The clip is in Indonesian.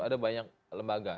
ada banyak lembaga